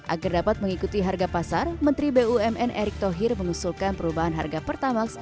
agar dapat mengikuti harga pasar menteri bumn erick thohir mengusulkan perubahan harga pertamax